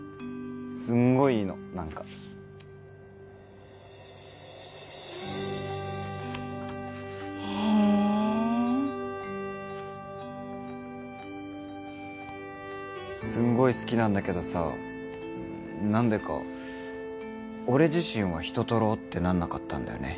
すんごいいいの何かへえすんごい好きなんだけどさ何でか俺自身は人撮ろうってなんなかったんだよね